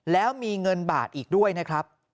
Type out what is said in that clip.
แล้วมีเงินบาทอีกด้วยนะครับ